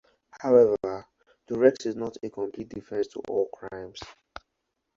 However, duress is not a complete defense to all crimes.